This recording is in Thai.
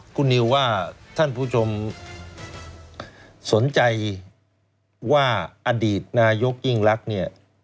คุณนิวว่าท่านผู้ชมสนใจว่าอดีตนายกยิ่งรักเนี่ย